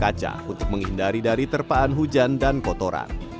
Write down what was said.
dan ditutup kaca untuk menghindari dari terpaan hujan dan kotoran